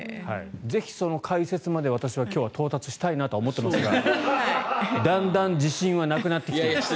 ぜひ、その解説まで私は今日、到達したいなとは思っていますがだんだん自信はなくなってきています。